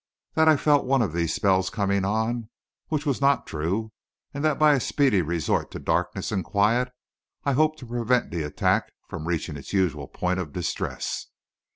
That I felt one of these spells coming on which was not true and that by a speedy resort to darkness and quiet, I hoped to prevent the attack from reaching its usual point of distress.